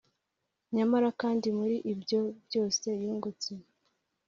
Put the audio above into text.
nyamara kandi muri ibyo byose yungutse,